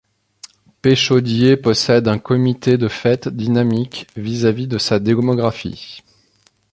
Péchaudier possède un comité des fêtes dynamique vis-à-vis de sa démographie.